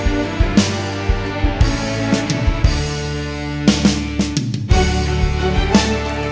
gue gak mau